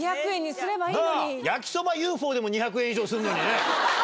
焼きそばＵＦＯでも２００円以上するのにね。